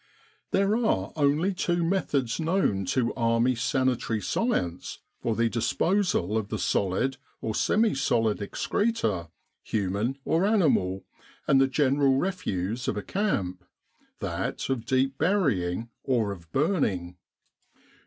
There are only two methods known to Army With the R.A.M.C. in Egypt Sanitary Science for the disposal of the solid or semi solid excreta, human or animal, and the general refuse of a camp that of deep burying or of burning.